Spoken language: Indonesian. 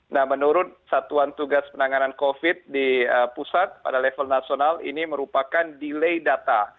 nah menurut satuan tugas penanganan covid di pusat pada level nasional ini merupakan delay data